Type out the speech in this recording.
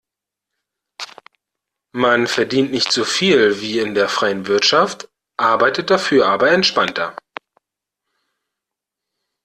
Man verdient nicht so viel wie in der freien Wirtschaft, arbeitet dafür aber entspannter.